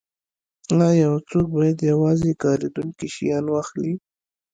ایا یو څوک باید یوازې کاریدونکي شیان واخلي